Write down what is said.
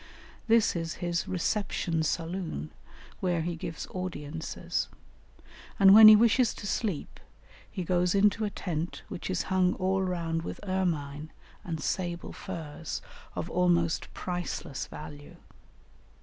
This is his reception saloon where he gives audiences; and when he wishes to sleep he goes into a tent which is hung all round with ermine and sable furs of almost priceless value.